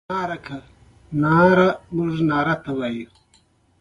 ښايي دا وسیله پر سرچینو د کنټرول لپاره وکارول شي.